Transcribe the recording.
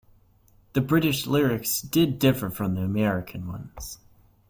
The British lyrics did differ from the American ones.